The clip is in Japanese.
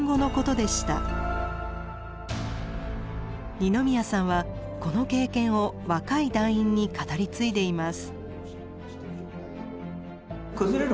二宮さんはこの経験を若い団員に語り継いでいます。